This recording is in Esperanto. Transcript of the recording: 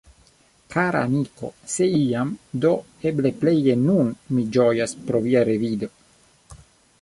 "Kara amiko, se iam, do eble pleje nun mi ĝojas pro via revido!